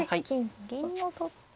銀を取って。